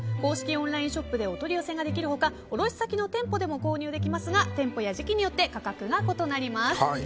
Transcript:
オンラインショップでお取り寄せができる他卸先の店舗でも購入できますが店舗や時期によって価格が異なります。